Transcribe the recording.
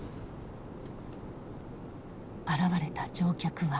現れた乗客は４人。